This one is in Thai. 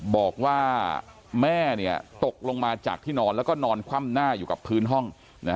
บอกว่าแม่ตกลงมาจากที่นอนแล้วก็นอนคว่ำหน้าอยู่กับพื้นห้อง